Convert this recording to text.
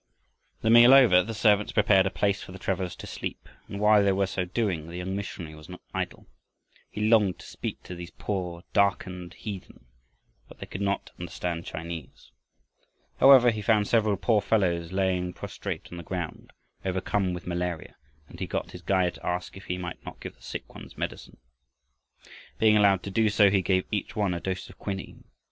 The meal over the servants prepared a place for the travelers to sleep, and while they were so doing, the young missionary was not idle. He longed to speak to these poor, darkened heathen, but they could not understand Chinese. However, he found several poor fellows lying prostrate on the ground, overcome with malaria, and he got his guide to ask if he might not give the sick ones medicine. Being allowed to do so, he gave each one a dose of quinine.